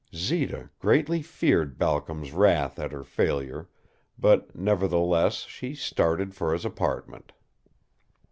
Zita greatly feared Balcom's wrath at her failure, but, nevertheless, she started for his apartment.